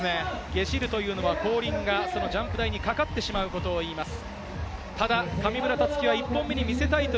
ゲシるというのは後輪がジャンプ台にかかってしまうことを言います。